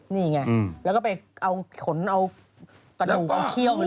นี่ไงแล้วก็ไปเอาขนเอากระดูกเอาเขี้ยวเลย